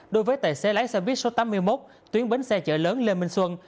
đối với tài xe lái xe buýt số tám mươi một tuyến bến xe chở lớn lê minh xuân